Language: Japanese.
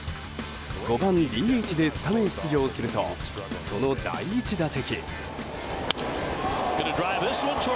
５番ＤＨでスタメン出場するとその第１打席。